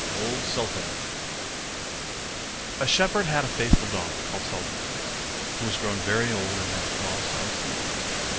OLD SULTAN A shepherd had a faithful dog, called Sultan, who was grown very old, and had lost all his teeth.